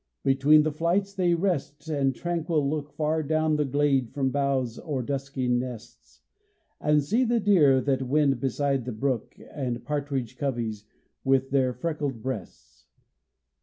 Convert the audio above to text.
Between the flights they rest and tranquil look Far down the glade from boughs or dusky nests, And see the deer that wend beside the brook, And partridge coveys, with their freckled breasts.